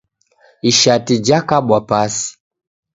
Ishati jakabwa pasi